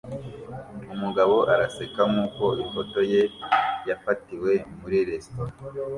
Umugabo araseka nkuko ifoto ye yafatiwe muri resitora